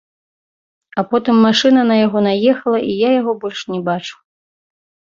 А потым машына на яго наехала і я яго больш не бачыў.